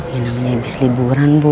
ya namanya habis liburan bu